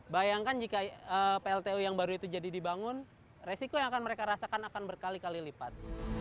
bayangkan jika pltu yang baru itu jadi dibangun resiko yang akan mereka rasakan akan berkali kali lipat